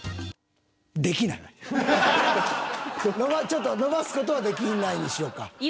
ちょっと伸ばす事はできないにしようか。